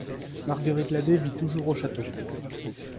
Marguerite Labbé vit toujours au Château.